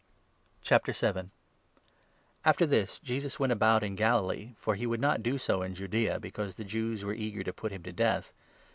Jesus and After this, Jesus went about in Galilee, for he i his would not do so in Judaea, because the Jews Brothers. were eager to put him to death.